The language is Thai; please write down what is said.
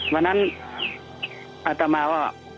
วันนั้นอัตมาว่า